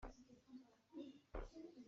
Na kawfi nih rawl ei ding ah ka lei a hnal ter.